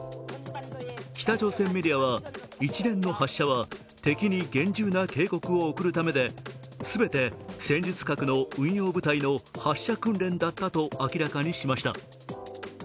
北朝鮮メディアは一連の発射は敵に厳重な警告を送るためで、全て戦術核の運用部隊の発射訓練だったと明らかにしました。